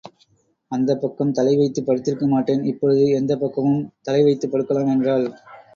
அந்தப் பக்கம் தலைவைத்துப் படுத்திருக்க மாட்டேன். இப்பொழுது எந்தப் பக்கமும் தலைவைத்துப் படுக்கலாம் என்றாள்.